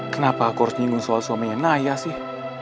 kenapa aku harus menyinggung soal suaminya naya sih